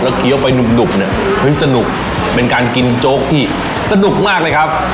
เคี้ยวไปหนุบเนี่ยเฮ้ยสนุกเป็นการกินโจ๊กที่สนุกมากเลยครับ